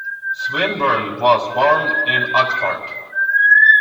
Swinburn was born in Oxford.